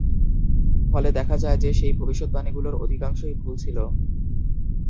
ফলে দেখা যায় যে, সেই ভবিষ্যদ্বাণীগুলোর অধিকাংশই ভুল ছিল।